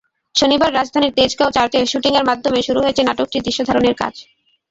শনিবার রাজধানীর তেজগাঁও চার্চে শুটিংয়ের মাধ্যমে শুরু হয়েছে নাটকটির দৃশ্যধারণের কাজ।